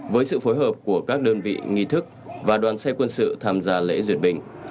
với sự phối hợp của các đơn vị nghi thức và đoàn xe quân sự tham gia lễ duyệt binh